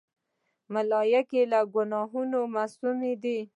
ملایکې له ګناهونو معصومی دي.